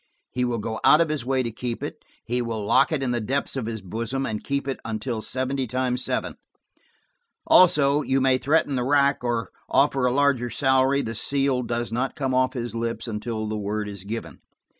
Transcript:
He will go out of his way to keep it: he will lock it in the depths of his bosom, and keep it until seventy times seven. Also, you may threaten the rack or offer a larger salary, the seal does not come off his lips until the word is given.